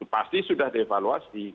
pasti sudah ada evaluasi